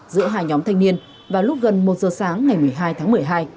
giữa hai nhóm thanh niên vào lúc gần một giờ sáng ngày một mươi hai tháng một mươi hai